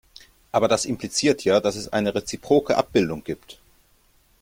Aber das impliziert ja, dass es eine reziproke Abbildung gibt.